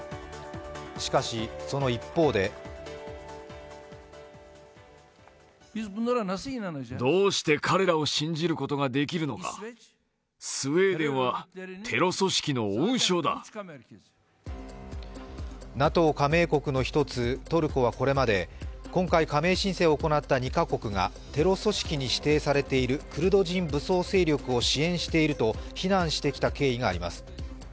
しかし、その一方でＮＡＴＯ加盟の一つトルコは、これまで今回加盟申請を行った２カ国がテロ組織に指定されているクルド人武装勢力を支援していると非難してきた経緯があります。